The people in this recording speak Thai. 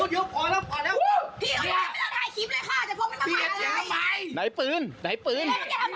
ไหนปืน